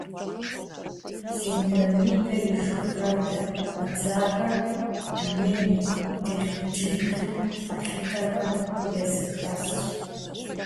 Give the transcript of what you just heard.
Семирамидэ и жыг хадэ фӀэдзахэр Дунейм и телъыджиблу къалъытахэм языхэзщ.